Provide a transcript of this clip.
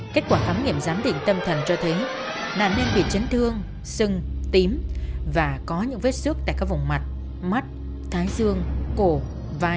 kết quả khám nghiệm giám định tâm thần cho thấy nạn nhân bị chấn thương sưng tím và có những vết xúc tại các vùng mặt mắt thái dương cổ vai